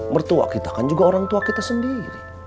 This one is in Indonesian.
mertua kita kan juga orang tua kita sendiri